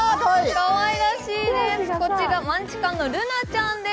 かわいらしいです、こちら、マンチカンの瑠奈ちゃんです。